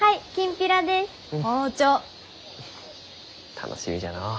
楽しみじゃのう。